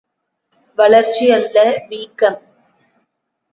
வளர்ச்சி அல்ல வீக்கம்!